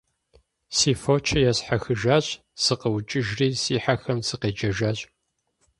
Си фочыр есхьэхыжащ, сыкъыӀукӀыжри си хьэхэм сыкъеджэжащ.